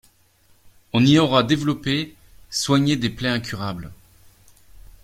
On y aura développé, soigné des plaies incurables.